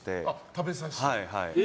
食べさせて。